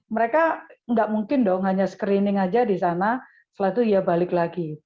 mereka nggak mungkin dong hanya screening saja di sana setelah itu ya balik lagi